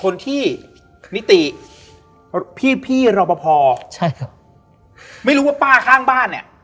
คนที่นิติพี่พี่รอปภใช่ครับไม่รู้ว่าป้าข้างบ้านเนี้ย